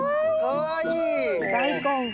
かわいい！